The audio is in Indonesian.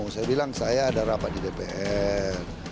saya bilang saya ada rapat di dpr